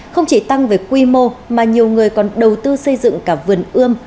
không chỉ tăng về quy mô mà nhiều người còn đầu tư xây dựng cả vườn ươm